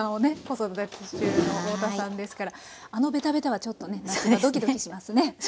子育て中の太田さんですからあのベタベタはちょっとね夏場ドキドキしますね食卓で。